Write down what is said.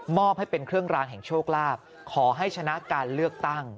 อบให้เป็นเครื่องรางแห่งโชคลาภขอให้ชนะการเลือกตั้ง